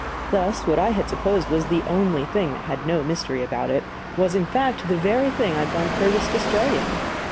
Thus, what I had supposed was the only thing that had no mystery about it was in fact the very thing I had gone furthest astray in.